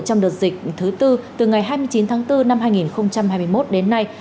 trong đợt dịch thứ tư từ ngày hai mươi chín tháng bốn năm hai nghìn hai mươi một đến nay